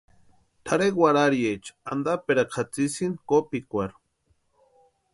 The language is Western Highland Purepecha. Tʼarhe warhariecha antaperakwa jatsisïnti kopikwarhu.